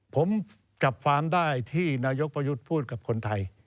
ผมจับฟาร์มได้ที่นายกประยุทธ์พูดกับคนไทย